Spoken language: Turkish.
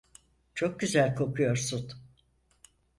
Çok güzel kokuyorsun.